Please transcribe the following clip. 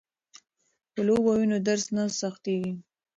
که لوبه وي نو درس نه سختيږي.